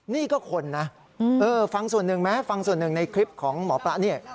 นี่ก็คนนะฟังส่วนหนึ่งไหมฟังส่วนหนึ่งในคลิปของหมอปลานี่